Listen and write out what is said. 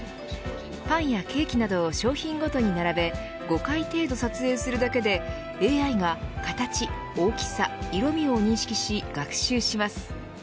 パンやケーキなどを商品ごとに並べ、５回程度、撮影するだけでＡＩが形、大きさ、色味を認識し学習します。